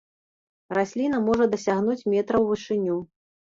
Расліна можа дасягнуць метра ў вышыню.